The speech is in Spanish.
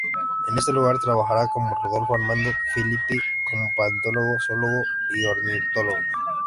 En este lugar trabajará con Rodolfo Amando Philippi como paleontólogo, zoólogo y ornitólogo.